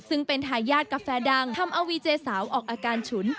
ซึ่งเป็นทายาทกาแฟดังทำเอาวีเจสาวออกอาการฉุน